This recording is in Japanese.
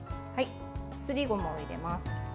すりごまを入れます。